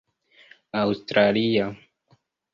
aŭstralia